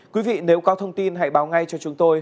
quý vị nếu có thông tin hãy báo ngay cho chúng tôi